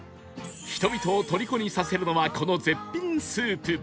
人々をとりこにさせるのはこの絶品スープ